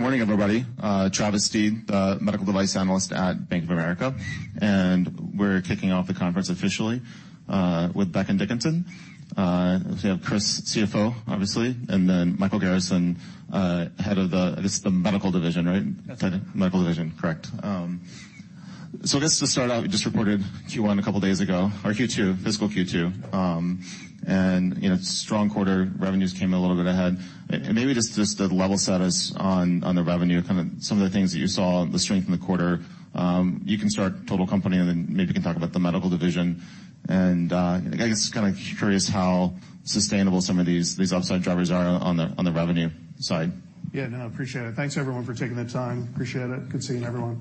Good morning, everybody. Travis Steed, medical device analyst at Bank of America. We're kicking off the conference officially with Becton Dickinson. We have Chris, CFO, obviously, and then Michael Garrison, head of the medical division, right? That's right. Medical division. Correct. I guess to start out, you just reported Q1 a couple days ago, or Q2, fiscal Q2. You know, strong quarter revenues came in a little bit ahead. Maybe just to level-set us on the revenue, kind of some of the things that you saw, the strength in the quarter. You can start total company, and then maybe you can talk about the medical division. I guess kind of curious how sustainable some of these upside drivers are on the revenue side. Yeah, no, appreciate it. Thanks, everyone, for taking the time. Appreciate it. Good seeing everyone.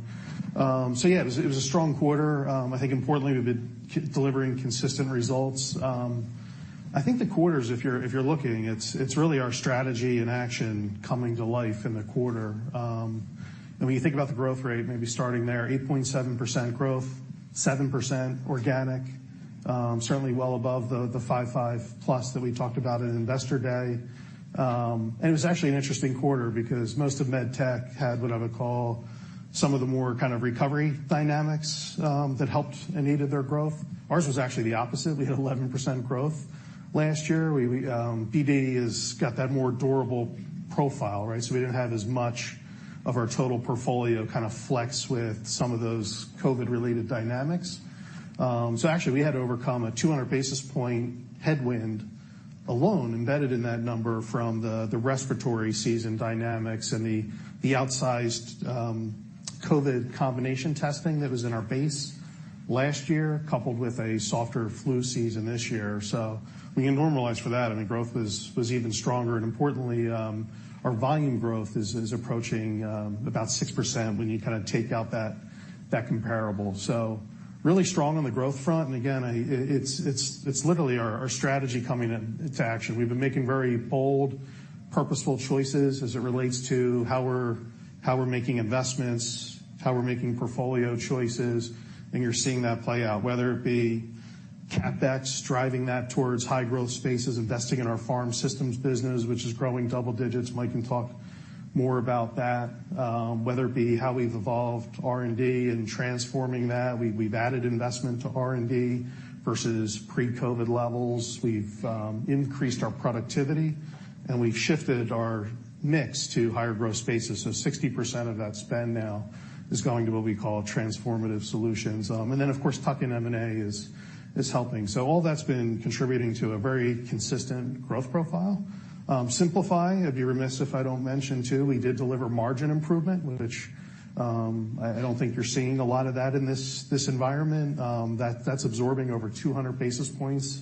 Yeah, it was, it was a strong quarter. I think importantly, we've been delivering consistent results. I think the quarters, if you're, if you're looking, it's really our strategy and action coming to life in the quarter. When you think about the growth rate, maybe starting there, 8.7% growth, 7% organic, certainly well above the 5/5+ that we talked about at Investor Day. It was actually an interesting quarter because most of med tech had what I would call some of the more kind of recovery dynamics that helped and aided their growth. Ours was actually the opposite. We had 11% growth last year. BD has got that more durable profile, right? We didn't have as much of our total portfolio kind of flex with some of those COVID-related dynamics. Actually we had to overcome a 200 basis point headwind alone embedded in that number from the respiratory season dynamics and the outsized COVID combination testing that was in our base last year, coupled with a softer flu season this year. When you normalize for that, I mean, growth was even stronger. Importantly, our volume growth is approaching about 6% when you kind of take out that comparable. Really strong on the growth front, and again, it's literally our strategy coming into action. We've been making very bold, purposeful choices as it relates to how we're making investments, how we're making portfolio choices, and you're seeing that play out. Whether it be CapEx, driving that towards high growth spaces, investing in our Pharma Systems business, which is growing double digits. Michael can talk more about that. Whether it be how we've evolved R&D and transforming that. We've added investment to R&D versus pre-COVID levels. We've increased our productivity, and we've shifted our mix to higher growth spaces. Sixty percent of that spend now is going to what we call transformative solutions. Then of course, tuck-in M&A is helping. All that's been contributing to a very consistent growth profile. Simplify, I'd be remiss if I don't mention too, we did deliver margin improvement, which, I don't think you're seeing a lot of that in this environment. That's absorbing over 200 basis points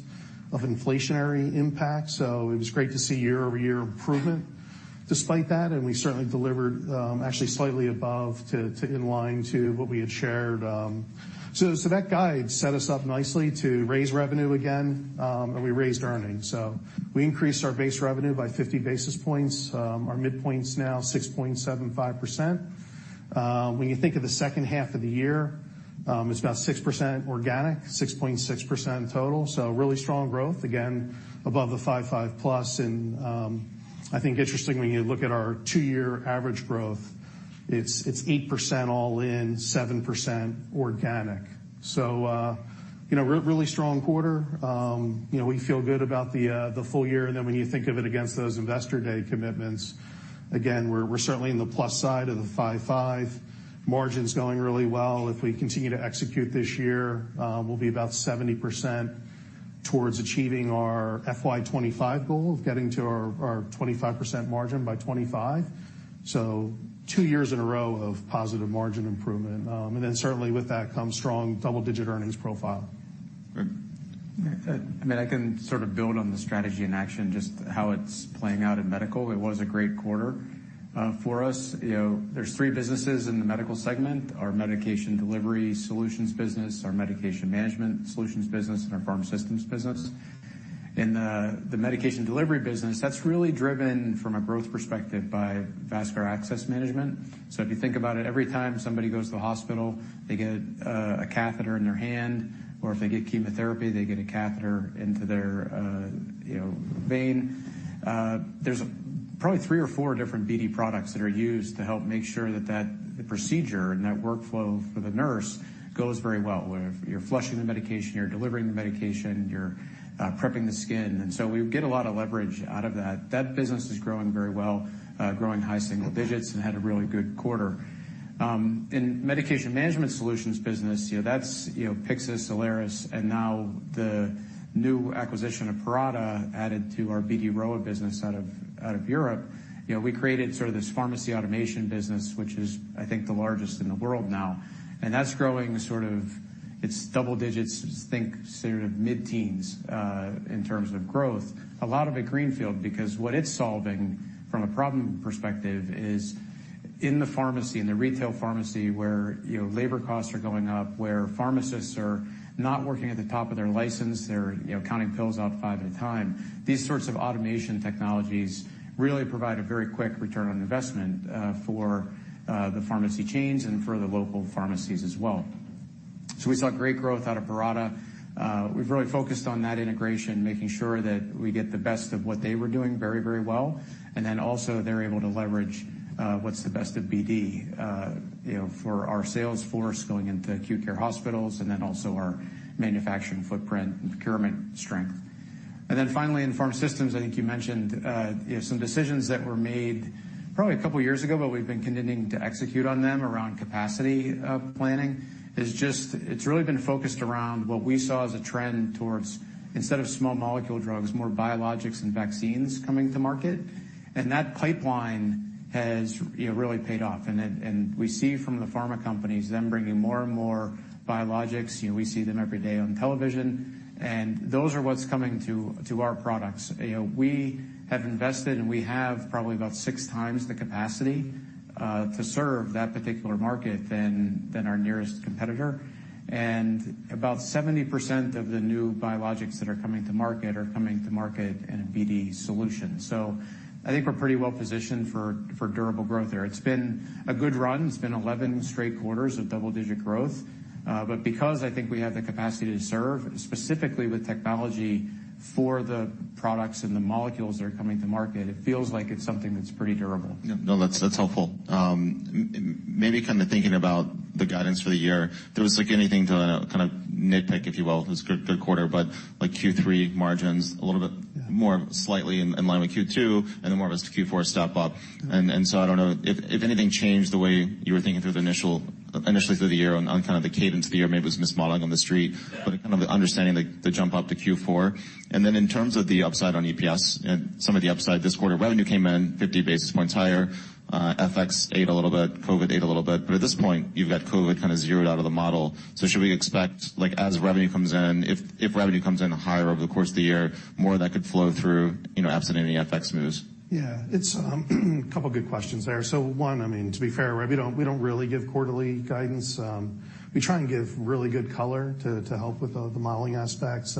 of inflationary impact. It was great to see year-over-year improvement despite that, and we certainly delivered actually slightly above to in line to what we had shared. That guide set us up nicely to raise revenue again, and we raised earnings. We increased our base revenue by 50 basis points. Our midpoint's now 6.75%. When you think of the second half of the year, it's about 6% organic, 6.6% total, so really strong growth, again, above the 5/5%+. I think interestingly, when you look at our two-year average growth, it's 8% all in, 7% organic. You know, really strong quarter. You know, we feel good about the full year. When you think of it against those Investor Day commitments, again, we're certainly in the plus side of the 5/5. Margin's going really well. If we continue to execute this year, we'll be about 70% towards achieving our FY2025 goal of getting to our 25% margin by 2025. Two years in a row of positive margin improvement. Certainly with that comes strong double-digit earnings profile. Great. I mean, I can sort of build on the strategy and action, just how it's playing out in medical. It was a great quarter for us. You know, there's three businesses in the Medical Segment, our Medication Delivery Solutions business, our Medication Management Solutions business, and our Pharma Systems business. In the Medication Delivery business, that's really driven from a growth perspective by Vascular Access Management. If you think about it, every time somebody goes to the hospital, they get a catheter in their hand, or if they get chemotherapy, they get a catheter into their, you know, vein. There's probably three or four different BD products that are used to help make sure that that procedure and that workflow for the nurse goes very well, where you're flushing the medication, you're delivering the medication, you're prepping the skin. We get a lot of leverage out of that. That business is growing very well, growing high single digits and had a really good quarter. In Medication Management Solutions business, you know, that's, you know, Pyxis, Alaris, and now the new acquisition of Parata added to our BD Rowa business out of Europe. You know, we created sort of this Pharmacy Automation business, which is I think the largest in the world now. That's growing sort of, it's double digits, think sort of mid-teens in terms of growth. A lot of it greenfield, because what it's solving from a problem perspective is in the pharmacy, in the retail pharmacy where, you know, labor costs are going up, where pharmacists are not working at the top of their license, they're, you know, counting pills out five at a time. These sorts of automation technologies really provide a very quick return on investment, for the pharmacy chains and for the local pharmacies as well. We saw great growth out of Parata. We've really focused on that integration, making sure that we get the best of what they were doing very, very well. Also they're able to leverage what's the best of BD, you know, for our sales force going into acute care hospitals, and then also our manufacturing footprint and procurement strength. Finally, in Pharma Systems, I think you mentioned, you know, some decisions that were made probably a couple years ago, but we've been continuing to execute on them around capacity, planning, it's really been focused around what we saw as a trend towards instead of small molecule drugs, more biologics and vaccines coming to market. That pipeline has, you know, really paid off. We see from the pharma companies them bringing more and more biologics. You know, we see them every day on television, and those are what's coming to our products. You know, we have invested, and we have probably about six times the capacity to serve that particular market than our nearest competitor. About 70% of the new biologics that are coming to market are coming to market in a BD solution. I think we're pretty well positioned for durable growth there. It's been a good run. It's been 11 straight quarters of double-digit growth. Because I think we have the capacity to serve, specifically with technology for the products and the molecules that are coming to market, it feels like it's something that's pretty durable. Yeah. No, that's helpful. Maybe kind of thinking about the guidance for the year, there was, like, anything to kind of nitpick, if you will. It was a good quarter, but like Q3 margins, a little bit more slightly in line with Q2, and then more of a Q4 step up. I don't know if anything changed the way you were thinking through initially through the year on kind of the cadence of the year. Maybe it was mismodeling on the street, but kind of the understanding the jump up to Q4. In terms of the upside on EPS and some of the upside this quarter, revenue came in 50 basis points higher. FX ate a little bit, COVID ate a little bit, but at this point you've got COVID kind of zeroed out of the model. Should we expect, like, as revenue comes in, if revenue comes in higher over the course of the year, more of that could flow through, you know, absent any FX moves? Yeah. It's a couple good questions there. I mean, to be fair, right, we don't really give quarterly guidance. We try and give really good color to help with the modeling aspects.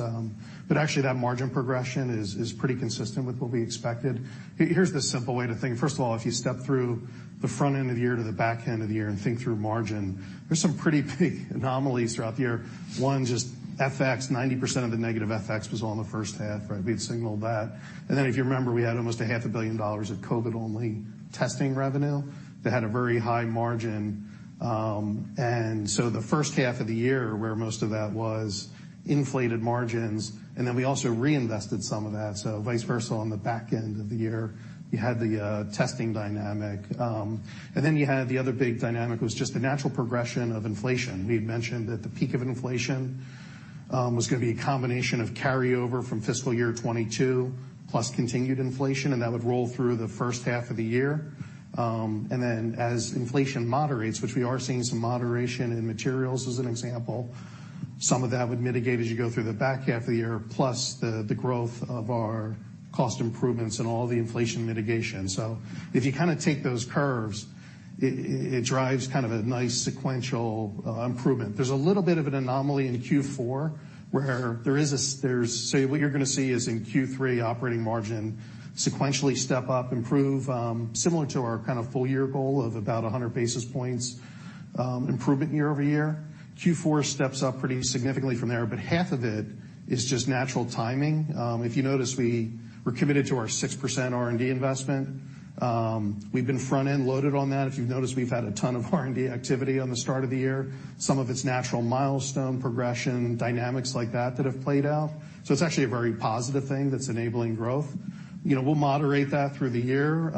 Actually that margin progression is pretty consistent with what we expected. Here's the simple way to think. First of all, if you step through the front end of the year to the back end of the year and think through margin, there's some pretty big anomalies throughout the year. One, just FX, 90% of the negative FX was all in the first half, right? We had signaled that. If you remember, we had almost a half a billion dollars of COVID-only testing revenue that had a very high margin. The first half of the year where most of that was inflated margins, and then we also reinvested some of that. Vice versa on the back end of the year, you had the testing dynamic. You had the other big dynamic was just the natural progression of inflation. We had mentioned that the peak of inflation was gonna be a combination of carryover from fiscal year 2022 plus continued inflation, and that would roll through the first half of the year. As inflation moderates, which we are seeing some moderation in materials as an example, some of that would mitigate as you go through the back half of the year, plus the growth of our cost improvements and all the inflation mitigation. If you kind of take those curves, it drives kind of a nice sequential improvement. There's a little bit of an anomaly in Q4 where what you're gonna see is in Q3 operating margin sequentially step up, improve, similar to our kind of full year goal of about 100 basis points improvement year-over-year. Q4 steps up pretty significantly from there, but half of it is just natural timing. If you notice, we're committed to our 6% R&D investment. We've been front-end loaded on that. If you've noticed, we've had a ton of R&D activity on the start of the year. Some of it's natural milestone progression, dynamics like that that have played out. You know, we'll moderate that through the year.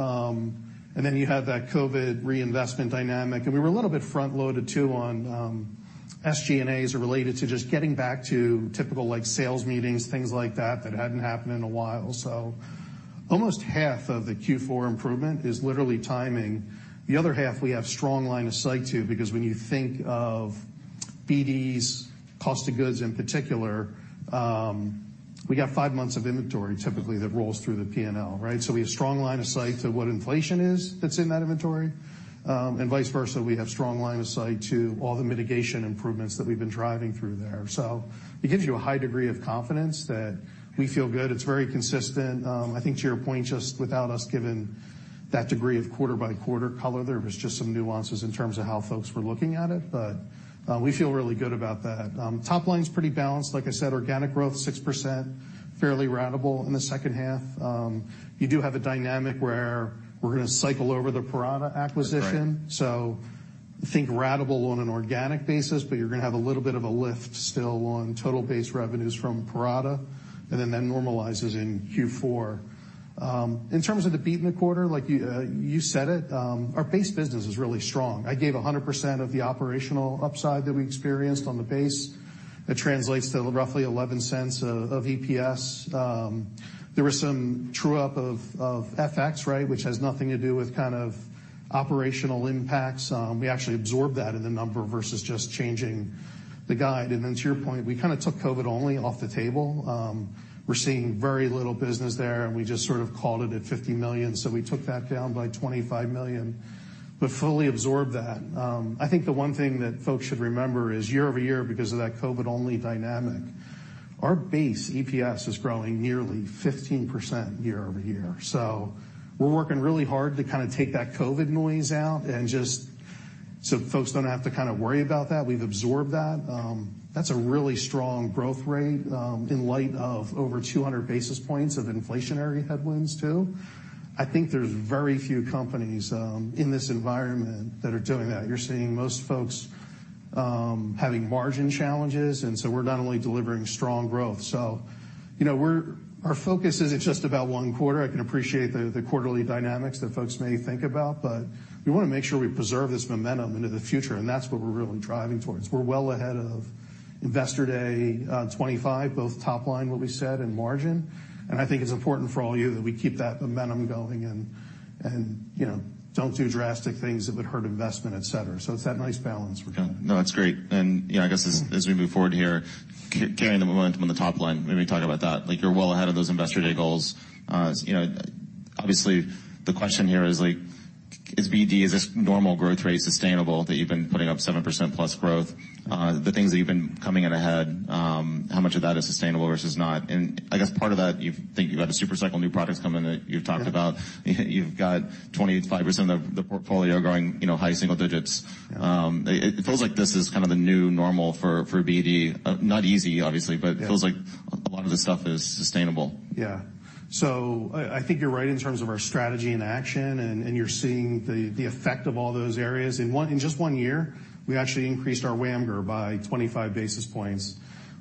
Then you have that COVID reinvestment dynamic. We were a little bit front loaded too on SG&As related to just getting back to typical, like, sales meetings, things like that that hadn't happened in a while. Almost half of the Q4 improvement is literally timing. The other half we have strong line of sight to because when you think of BD's cost of goods in particular, we got five months of inventory typically that rolls through the P&L, right? We have strong line of sight to what inflation is that's in that inventory, and vice versa, we have strong line of sight to all the mitigation improvements that we've been driving through there. It gives you a high degree of confidence that we feel good. It's very consistent. I think to your point, just without us giving that degree of quarter-by-quarter color, there was just some nuances in terms of how folks were looking at it. We feel really good about that. Top line's pretty balanced. Like I said, organic growth 6%, fairly ratable in the second half. You do have a dynamic where we're gonna cycle over the Parata acquisition. Right. Think ratable on an organic basis, but you're gonna have a little bit of a lift still on total base revenues from Parata, and then that normalizes in Q4. In terms of the beat in the quarter, like you said it, our base business is really strong. I gave 100% of the operational upside that we experienced on the base. That translates to roughly $0.11 of EPS. There was some true-up of FX, right, which has nothing to do with kind of operational impacts. We actually absorb that in the number versus just changing the guide. To your point, we kind of took COVID-only off the table. We're seeing very little business there, and we just sort of called it at $50 million, so we took that down by $25 million, but fully absorbed that. I think the one thing that folks should remember is year-over-year because of that COVID-only dynamic. Our base EPS is growing nearly 15% year-over-year. We're working really hard to kind of take that COVID noise out and just so folks don't have to kind of worry about that. We've absorbed that's a really strong growth rate, in light of over 200 basis points of inflationary headwinds too. I think there's very few companies in this environment that are doing that. You're seeing most folks having margin challenges, we're not only delivering strong growth. You know, our focus isn't just about one quarter. I can appreciate the quarterly dynamics that folks may think about, but we wanna make sure we preserve this momentum into the future, and that's what we're really driving towards. We're well ahead of Investor Day, 2025, both top line what we said and margin. I think it's important for all you that we keep that momentum going and, you know, don't do drastic things that would hurt investment, et cetera. It's that nice balance we're trying. Yeah. No, that's great. You know, I guess as we move forward here, carrying the momentum on the top line, maybe talk about that? Like, you're well ahead of those Investor Day goals. You know, obviously, the question here is, like, is BD, is this normal growth rate sustainable that you've been putting up 7% plus growth? The things that you've been coming in ahead, how much of that is sustainable versus not? I guess part of that, you think you have the super cycle new products coming that you've talked about. Yeah. You've got 25% of the portfolio growing, you know, high single digits. It feels like this is kind of the new normal for BD. Not easy, obviously. Yeah. It feels like a lot of this stuff is sustainable. I think you're right in terms of our strategy and action, and you're seeing the effect of all those areas. In just one year, we actually increased our WAMGR by 25 basis points.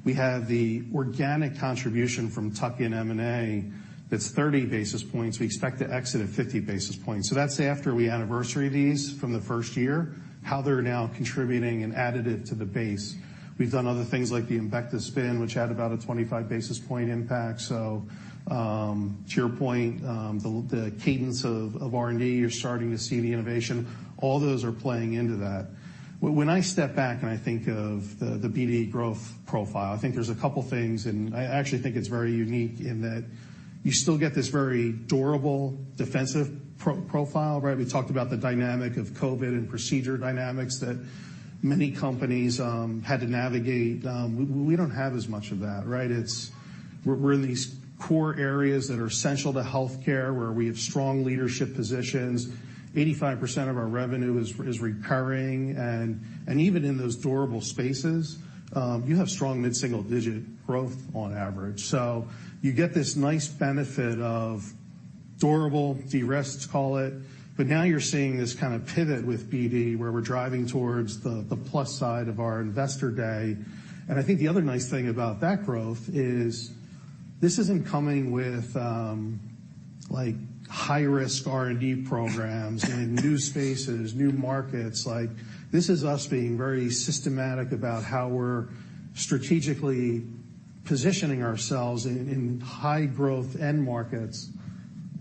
We have the organic contribution from tuck-in M&A that's 30 basis points. We expect to exit at 50 basis points. That's after we anniversary these from the first year, how they're now contributing and additive to the base. We've done other things like the Embecta spin, which had about a 25 basis point impact. To your point, the cadence of R&D, you're starting to see the innovation. All those are playing into that. When I step back and I think of the BD growth profile, I think there's a couple things, I actually think it's very unique in that you still get this very durable, defensive profile, right? We talked about the dynamic of COVID and procedure dynamics that many companies had to navigate. We don't have as much of that, right? It's we're in these core areas that are essential to healthcare, where we have strong leadership positions. 85% of our revenue is recurring. Even in those durable spaces, you have strong mid-single digit growth on average. You get this nice benefit of durable derisk, let's call it. Now you're seeing this kind of pivot with BD, where we're driving towards the plus side of our Investor Day. I think the other nice thing about that growth is this isn't coming with, like, high-risk R&D programs and new spaces, new markets. This is us being very systematic about how we're strategically positioning ourselves in high-growth end markets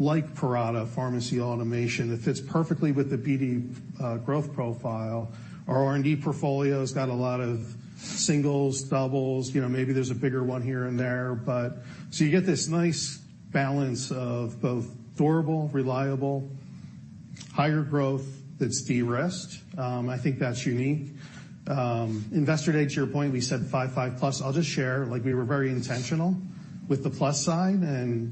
like Parata Pharmacy Automation. It fits perfectly with the BD growth profile. Our R&D portfolio's got a lot of singles, doubles, you know, maybe there's a bigger one here and there, but so you get this nice balance of both durable, reliable, higher growth that's derisked. I think that's unique. Investor Day, to your point, we said 5+. I'll just share, like, we were very intentional with the plus side.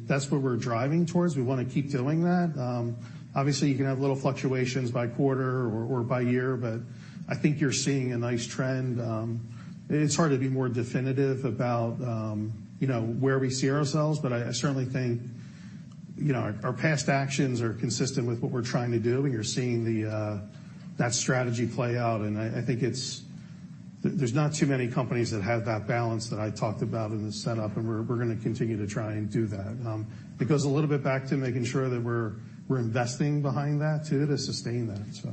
That's what we're driving towards. We wanna keep doing that. Obviously, you can have little fluctuations by quarter or by year, but I think you're seeing a nice trend. It's hard to be more definitive about, you know, where we see ourselves, but I certainly think, you know, our past actions are consistent with what we're trying to do, and you're seeing the that strategy play out. I think it's there's not too many companies that have that balance that I talked about in the setup, and we're gonna continue to try and do that. It goes a little bit back to making sure that we're investing behind that too to sustain that, so.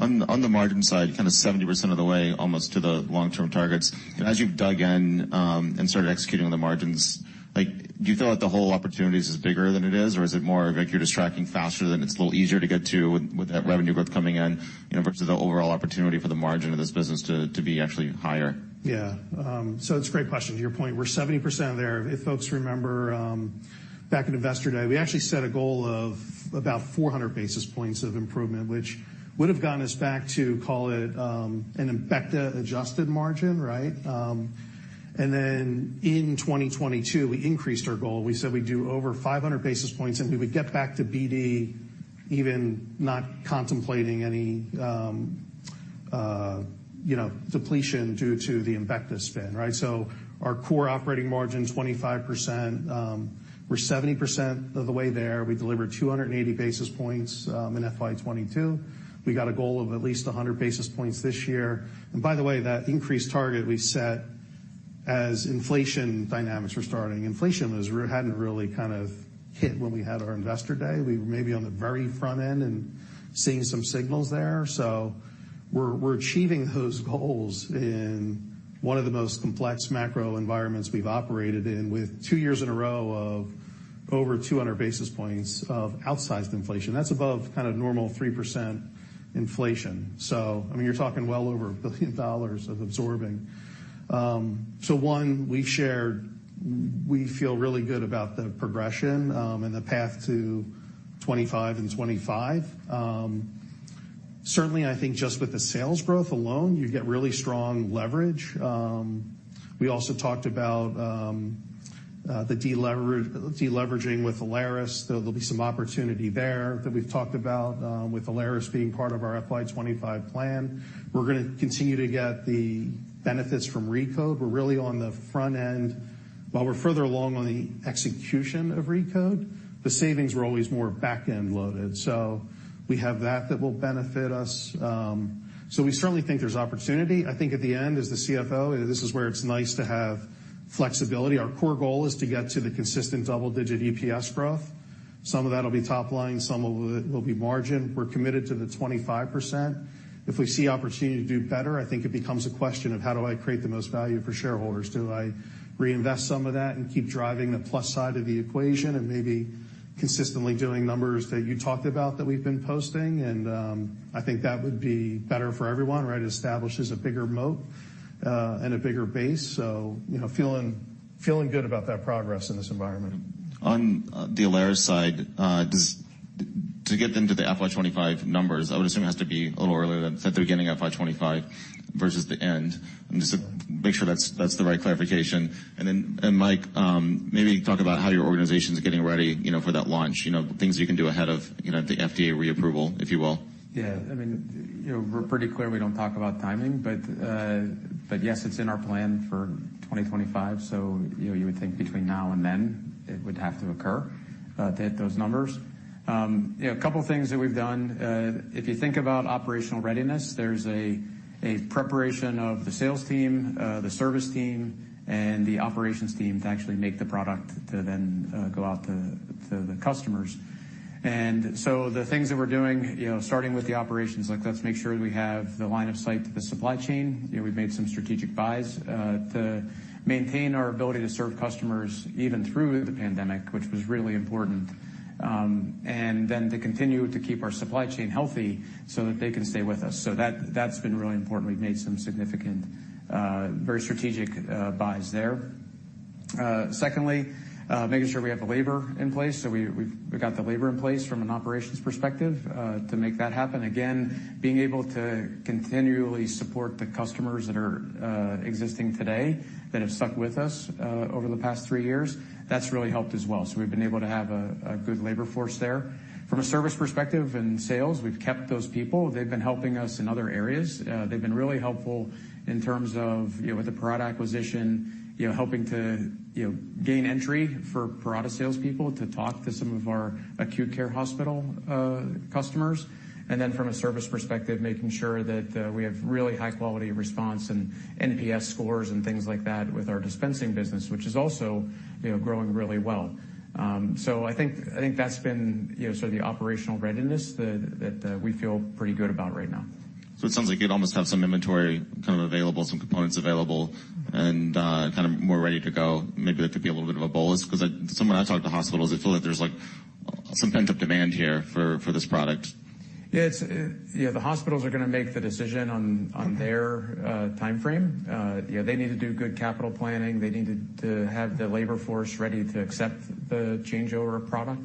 On the margin side, kind of 70% of the way almost to the long-term targets. As you've dug in, and started executing on the margins, like, do you feel like the whole opportunity is bigger than it is, or is it more like you're just tracking faster than it's a little easier to get to with that revenue growth coming in, you know, versus the overall opportunity for the margin of this business to be actually higher? Yeah. It's a great question. To your point, we're 70% there. If folks remember, back at Investor Day, we actually set a goal of about 400 basis points of improvement, which would've gotten us back to, call it, an Embecta adjusted margin, right? In 2022, we increased our goal. We said we'd do over 500 basis points, and we would get back to BD even not contemplating any, you know, depletion due to the Embecta spin, right? Our core operating margin, 25%. We're 70% of the way there. We delivered 280 basis points in FY 2022. We got a goal of at least 100 basis points this year. By the way, that increased target we set as inflation dynamics were starting. Inflation hadn't really kind of hit when we had our Investor Day. We were maybe on the very front end and seeing some signals there. We're achieving those goals in one of the most complex macro environments we've operated in, with two years in a row of over 200 basis points of outsized inflation. That's above kind of normal 3% inflation. I mean, you're talking well over $1 billion of absorbing. One, we've shared we feel really good about the progression, and the path to 25 and 25. Certainly, I think just with the sales growth alone, you get really strong leverage. We also talked about deleveraging with Alaris. There'll be some opportunity there that we've talked about with Alaris being part of our FY 2025 plan. We're gonna continue to get the benefits from RECODE. We're really on the front end. While we're further along on the execution of RECODE, the savings were always more back-end loaded. We have that will benefit us. We certainly think there's opportunity. I think at the end, as the CFO, this is where it's nice to have flexibility. Our core goal is to get to the consistent double-digit EPS growth. Some of that'll be top line, some of it will be margin. We're committed to the 25%. If we see opportunity to do better, I think it becomes a question of how do I create the most value for shareholders? Do I reinvest some of that and keep driving the plus side of the equation and maybe consistently doing numbers that you talked about that we've been posting? I think that would be better for everyone, right? It establishes a bigger moat and a bigger base. you know, feeling good about that progress in this environment. On the Alaris side, to get them to the FY 2025 numbers, I would assume it has to be a little earlier at the beginning of FY 2025 versus the end. Just to make sure that's the right clarification. Then, Michael, maybe talk about how your organization's getting ready, you know, for that launch. You know, things you can do ahead of, you know, the FDA reapproval, if you will. Yeah. I mean, you know, we're pretty clear we don't talk about timing. Yes, it's in our plan for 2025. You know, you would think between now and then it would have to occur to hit those numbers. You know, a couple of things that we've done, if you think about operational readiness, there's a preparation of the sales team, the service team, and the operations team to actually make the product to then go out to the customers. The things that we're doing, you know, starting with the operations, like let's make sure we have the line of sight to the supply chain. You know, we've made some strategic buys to maintain our ability to serve customers even through the pandemic, which was really important, and then to continue to keep our supply chain healthy so that they can stay with us. That's been really important. We've made some significant, very strategic buys there. Secondly, making sure we have the labor in place. We've got the labor in place from an operations perspective to make that happen. Again, being able to continually support the customers that are existing today that have stuck with us over the past three years, that's really helped as well. We've been able to have a good labor force there. From a service perspective and sales, we've kept those people. They've been helping us in other areas. They've been really helpful in terms of, you know, with the Parata acquisition, you know, helping to, you know, gain entry for Parata salespeople to talk to some of our acute care hospital customers. From a service perspective, making sure that we have really high quality of response and NPS scores and things like that with our dispensing business, which is also, you know, growing really well. I think, I think that's been, you know, sort of the operational readiness that we feel pretty good about right now. It sounds like you'd almost have some inventory kind of available, some components available, and kind of more ready to go. Maybe that could be a little bit of a bolus because some when I talk to hospitals, they feel like there's, like, some pent-up demand here for this product. Yeah. It's, you know, the hospi`tals are gonna make the decision on their timeframe. You know, they need to do good capital planning. They need to have the labor force ready to accept the changeover of product,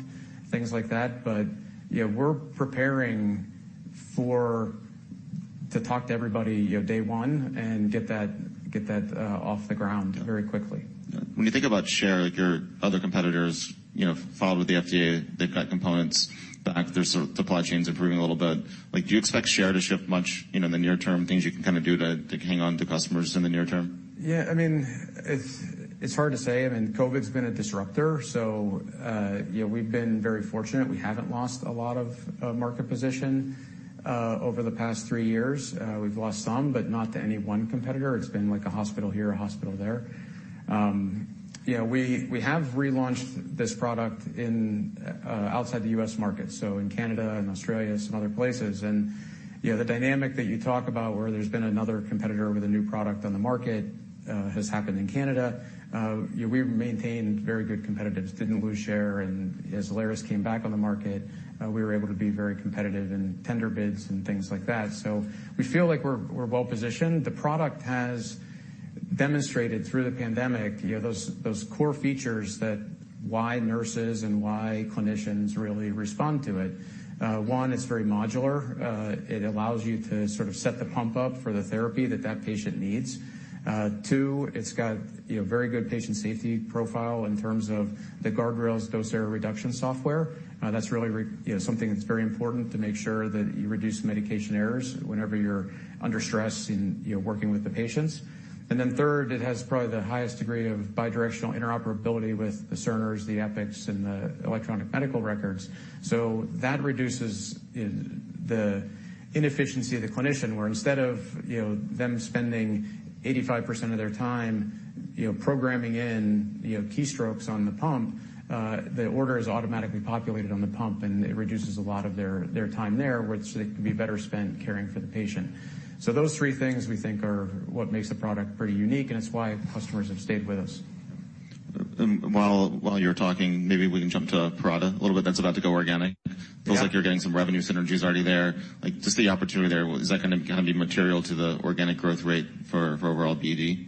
things like that. You know, we're preparing to talk to everybody, you know, day one and get that off the ground very quickly. Yeah. When you think about share, like your other competitors, you know, filed with the FDA, they've got components back. Their sort of supply chain's improving a little bit. Like, do you expect share to shift much, you know, in the near term, things you can kind of do to hang on to customers in the near term? Yeah. I mean, it's hard to say. I mean, COVID's been a disruptor, so, you know, we've been very fortunate. We haven't lost a lot of market position over the past three years. We've lost some, but not to any one competitor. It's been like a hospital here, a hospital there. You know, we have relaunched this product in outside the US market, so in Canada and Australia and some other places. You know, the dynamic that you talk about where there's been another competitor with a new product on the market, has happened in Canada. You know, we maintained very good competitive, didn't lose share, and as Alaris came back on the market, we were able to be very competitive in tender bids and things like that. We feel like we're well positioned. The product has demonstrated through the pandemic, you know, those core features that why nurses and why clinicians really respond to it. One, it's very modular. It allows you to sort of set the pump up for the therapy that that patient needs. Two, it's got, you know, very good patient safety profile in terms of the guardrails dose error reduction software. That's really, you know, something that's very important to make sure that you reduce medication errors whenever you're under stress in, you know, working with the patients. Third, it has probably the highest degree of bidirectional interoperability with the Cerner, the Epic, and the electronic medical records. That reduces the inefficiency of the clinician, where instead of, you know, them spending 85% of their time, you know, programming in, you know, keystrokes on the pump, the order is automatically populated on the pump, and it reduces a lot of their time there, which they can be better spent caring for the patient. Those three things we think are what makes the product pretty unique, and it's why customers have stayed with us. While you're talking, maybe we can jump to Parata a little bit. That's about to go organic. Yeah. Feels like you're getting some revenue synergies already there. Like, just the opportunity there, is that gonna be material to the organic growth rate for overall BD?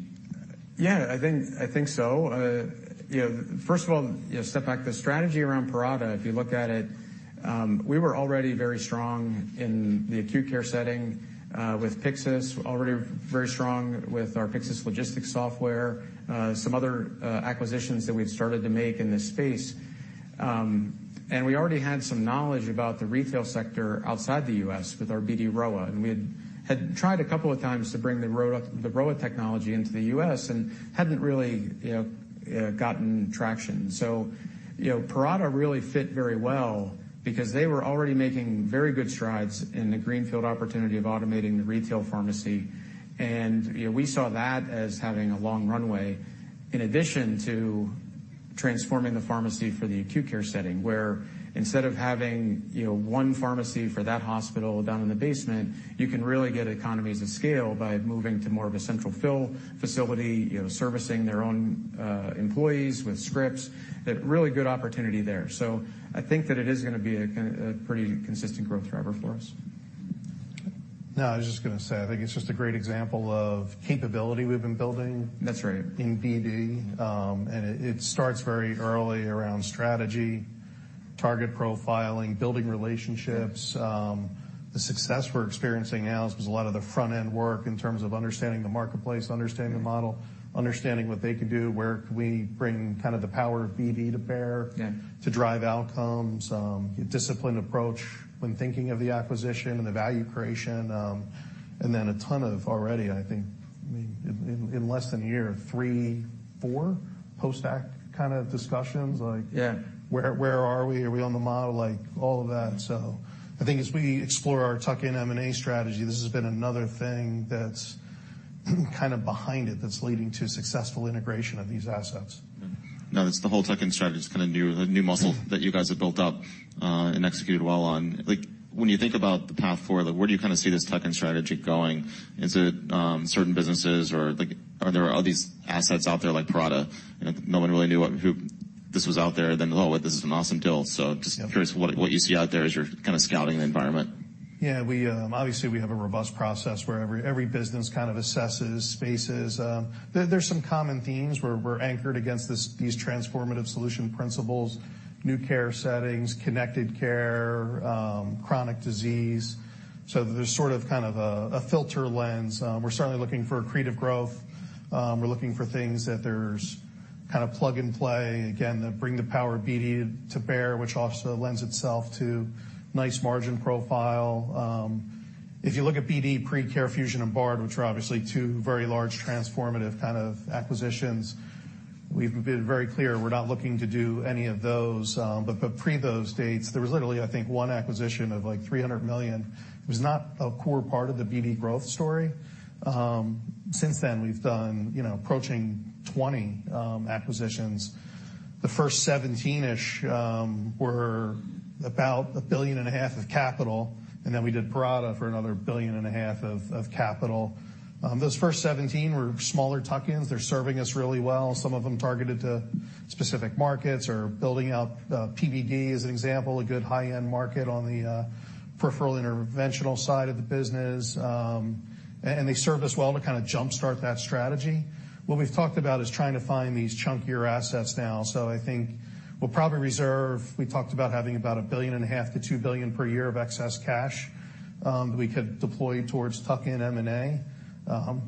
Yeah, I think so. You know, first of all, you know, step back, the strategy around Parata, if you look at it, we were already very strong in the acute care setting, with Pyxis, already very strong with our Pyxis Logistics software, some other acquisitions that we'd started to make in this space. We already had some knowledge about the retail sector outside the U.S. with our BD Rowa. We had tried a couple of times to bring the Rowa technology into the U.S. and hadn't really, you know, gotten traction. Parata really fit very well because they were already making very good strides in the greenfield opportunity of automating the retail pharmacy. You know, we saw that as having a long runway in addition to transforming the pharmacy for the acute care setting, where instead of having, you know, one pharmacy for that hospital down in the basement, you can really get economies of scale by moving to more of a central fill facility, you know, servicing their own employees with scripts. A really good opportunity there. I think that it is gonna be a pretty consistent growth driver for us. No, I was just gonna say, I think it's just a great example of capability we've been building- That's right.... in BD. It starts very early around strategy, target profiling, building relationships. The success we're experiencing now is because a lot of the front-end work in terms of understanding the marketplace, understanding the model, understanding what they can do, where can we bring kind of the power of BD to bear. Yeah... to drive outcomes, a disciplined approach when thinking of the acquisition and the value creation. Then a ton of already, I think, I mean, in, in less than a year, 3, 4 post-AC kind of discussions, like... Yeah ... where are we? Are we on the model? Like, all of that. I think as we explore our tuck-in M&A strategy, this has been another thing that's kind of behind it that's leading to successful integration of these assets. Mm-hmm. That's the whole tuck-in strategy is kind of new, the new muscle that you guys have built up and executed well on. Like, when you think about the path forward, like where do you kinda see this tuck-in strategy going? Is it certain businesses or like, are there all these assets out there like Parata? You know, no one really knew what This was out there, then oh, this is an awesome deal. Just curious what you see out there as you're kind of scouting the environment. Yeah, we, obviously, we have a robust process where every business kind of assesses spaces. There's some common themes where we're anchored against this, these Transformative Solutions principles, new care settings, Connected Care, chronic disease. There's sort of kind of a filter lens. We're certainly looking for accretive growth. We're looking for things that there's kind of plug and play, again, that bring the power of BD to bear, which also lends itself to nice margin profile. If you look at BD pre-CareFusion and Bard, which are obviously two very large transformative kind of acquisitions, we've been very clear we're not looking to do any of those. Pre those dates, there was literally, I think, one acquisition of like $300 million. It was not a core part of the BD growth story. Since then, we've done, you know, approaching 20 acquisitions. The first 17-ish were about a billion and a half of capital, and then we did Parata for another billion and a half of capital. Those first 17 were smaller tuck-ins. They're serving us really well. Some of them targeted to specific markets or building out PVD as an example, a good high-end market on the peripheral interventional side of the business. They served us well to kinda jump-start that strategy. What we've talked about is trying to find these chunkier assets now. I think we'll probably reserve... We talked about having about a billion and a half to $2 billion per year of excess cash that we could deploy towards tuck-in M&A.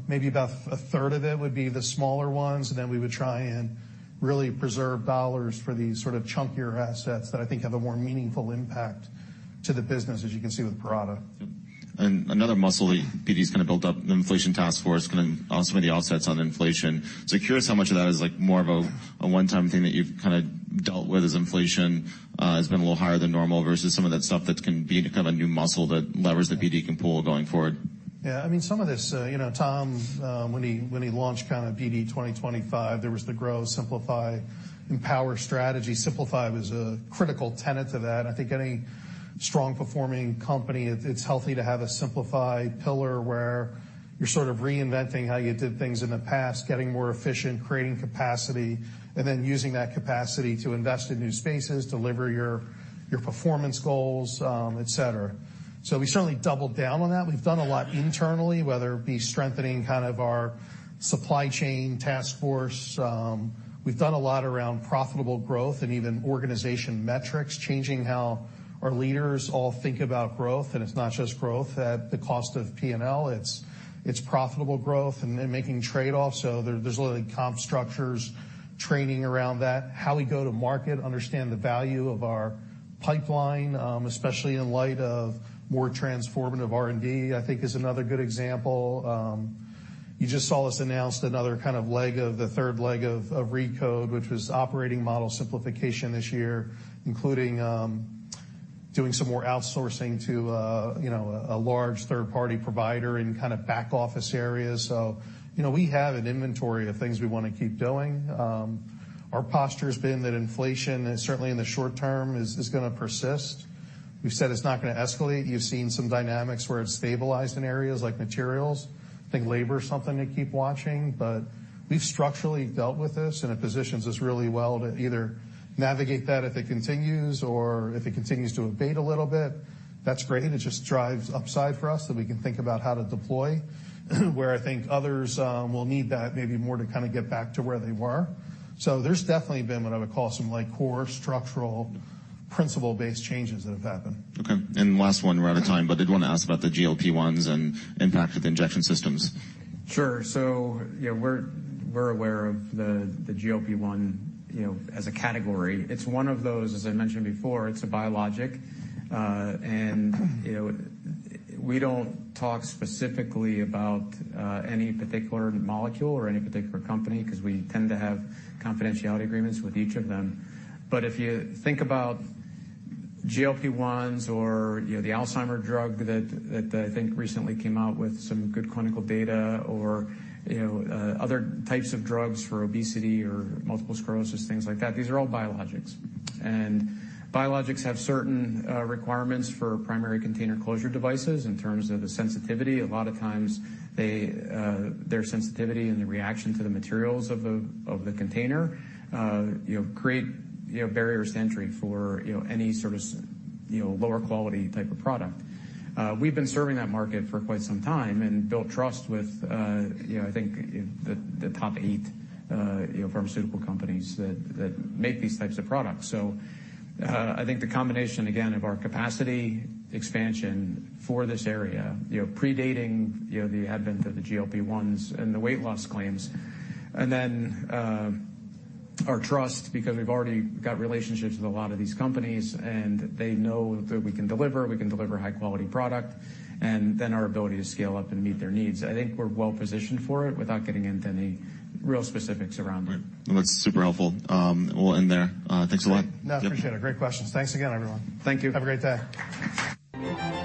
Maybe about a third of it would be the smaller ones, and then we would try and really preserve dollars for these sort of chunkier assets that I think have a more meaningful impact to the business, as you can see with Parata. Yep. Another muscle that BD's kinda built up, the inflation task force can also be the offsets on inflation. Curious how much of that is like more of a one-time thing that you've kinda dealt with as inflation has been a little higher than normal versus some of that stuff that can be kind of a new muscle that levers BD can pull going forward. Yeah. I mean, some of this, you know, Tom, when he launched kind of BD 2025, there was the Grow, Simplify and Empower strategy. Simplify was a critical tenet to that. I think any strong performing company, it's healthy to have a simplify pillar where you're sort of reinventing how you did things in the past, getting more efficient, creating capacity, and then using that capacity to invest in new spaces, deliver your performance goals, et cetera. We certainly doubled down on that. We've done a lot internally, whether it be strengthening kind of our supply chain task force. We've done a lot around profitable growth and even organization metrics, changing how our leaders all think about growth. It's not just growth at the cost of P&L. It's profitable growth and then making trade-offs. There's literally comp structures training around that. How we go to market, understand the value of our pipeline, especially in light of more transformative R&D, I think is another good example. You just saw us announce another kind of leg of the third leg of RECODE, which was operating model simplification this year, including, doing some more outsourcing to, you know, a large third-party provider in kind of back office areas. You know, we have an inventory of things we wanna keep doing. Our posture has been that inflation, certainly in the short term, is gonna persist. We've said it's not gonna escalate. You've seen some dynamics where it's stabilized in areas like materials. I think labor is something to keep watching, but we've structurally dealt with this, and it positions us really well to either navigate that if it continues or if it continues to abate a little bit, that's great. It just drives upside for us that we can think about how to deploy, where I think others will need that maybe more to kind of get back to where they were. There's definitely been what I would call some like core structural principle-based changes that have happened. Okay. Last one. We're out of time, but I did want to ask about the GLP-1s and impact of the injection systems. Sure. Yeah, we're aware of the GLP-1, you know, as a category. It's one of those, as I mentioned before, it's a biologic. And, you know, we don't talk specifically about any particular molecule or any particular company 'cause we tend to have confidentiality agreements with each of them. If you think about GLP-1s or, you know, the Alzheimer drug that I think recently came out with some good clinical data or, you know, other types of drugs for obesity or multiple sclerosis, things like that, these are all biologics. Biologics have certain requirements for primary container closure systems in terms of the sensitivity. A lot of times they, their sensitivity and the reaction to the materials of the container, you know, create, you know, barriers to entry for, you know, any sort of, you know, lower quality type of product. We've been serving that market for quite some time and built trust with, you know, I think the top eight, you know, pharmaceutical companies that make these types of products. I think the combination, again, of our capacity expansion for this area, you know, predating, you know, the advent of the GLP-1s and the weight loss claims. Then, our trust, because we've already got relationships with a lot of these companies, and they know that we can deliver high quality product, and then our ability to scale up and meet their needs. I think we're well positioned for it without getting into any real specifics around them. Right. That's super helpful. We'll end there. Thanks a lot. No, I appreciate it. Great questions. Thanks again, everyone. Thank you. Have a great day.